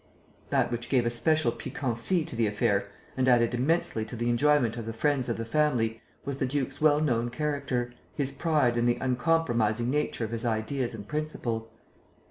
That which gave a special piquancy to the affair and added immensely to the enjoyment of the friends of the family was the duke's well known character: his pride and the uncompromising nature of his ideas and principles.